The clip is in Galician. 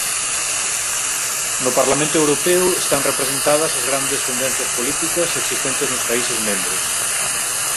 No Parlamento Europeo están representadas as grandes tendencias políticas existentes nos países membros.